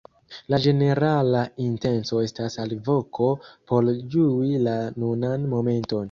La ĝenerala intenco estas alvoko por ĝui la nunan momenton.